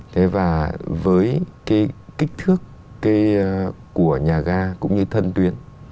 thế và với cái kích thước của nhà ga cũng như thân tuyến